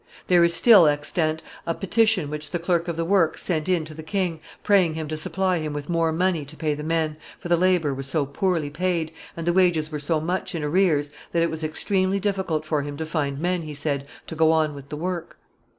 There is still extant a petition which the clerk of the works sent in to the king, praying him to supply him with more money to pay the men, for the labor was so poorly paid, and the wages were so much in arrears, that it was extremely difficult for him to find men, he said, to go on with the work.